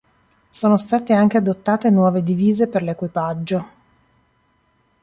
Sono state anche adottate nuove divise per l'equipaggio.